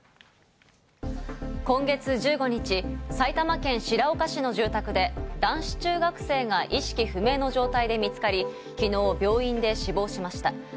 今月１５日、埼玉県白岡市の住宅で男子中学生が意識不明の状態で見つかり、昨日、病院で死亡しました。